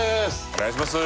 お願いします！